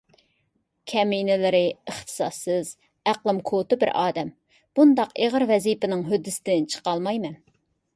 كەمىنىلىرى، ئىختىساسسىز، ئەقلىم كوتا بىر ئادەم، بۇنداق ئېغىر ۋەزىپىنىڭ ھۆددىسىدىن چىقالمايمەن.